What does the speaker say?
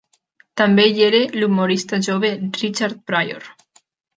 També hi era l'humorista jove Richard Pryor.